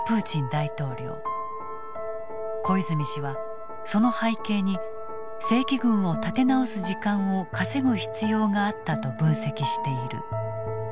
小泉氏はその背景に正規軍を立て直す時間を稼ぐ必要があったと分析している。